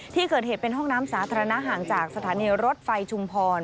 ที่เกิดเหตุเป็นห้องน้ำสาธารณะห่างจากสถานีรถไฟชุมพร